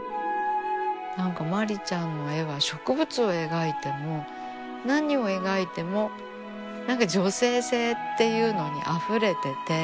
何かまりちゃんの絵は植物を描いても何を描いても何か「女性性」っていうのにあふれてて。